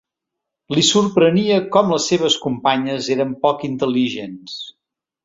Li sorprenia com les seves companyes eren poc intel·ligents.